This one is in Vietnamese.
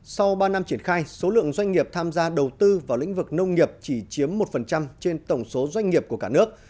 sau ba năm triển khai số lượng doanh nghiệp tham gia đầu tư vào lĩnh vực nông nghiệp chỉ chiếm một trên tổng số doanh nghiệp của cả nước